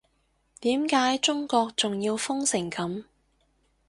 點解中國仲要封成噉